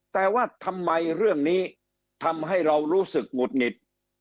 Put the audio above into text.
แต่ว่าทำไมเรื่องนี้ทำให้เรารู้สึกหงุดหงิด